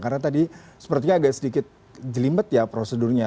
karena tadi agak sedikit jelimbet ya prosedurnya